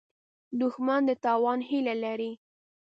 دښمن د تاوان هیله لري